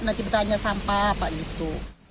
nanti bertanya sampah apa gitu